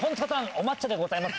お抹茶でございます。